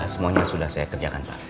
semuanya sudah saya kerjakan pak